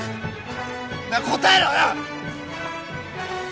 なぁ答えろよ！！